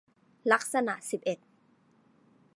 ลักษณะสิบเอ็ด